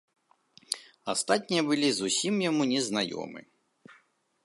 Астатнія былі зусім яму незнаёмы.